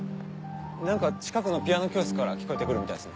何か近くのピアノ教室から聞こえて来るみたいっす。